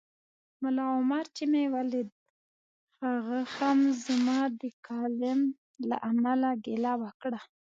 ملا عمر چي مې ولید هغه هم زما د کالم له امله ګیله وکړه